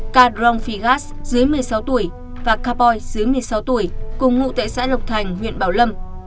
ca drong phí gác dưới một mươi sáu tuổi và ca poi dưới một mươi sáu tuổi cùng ngụ tại xã lộc thành huyện bảo lâm